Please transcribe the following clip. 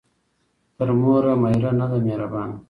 ـ تر موره مېره ،نه ده مهربانه.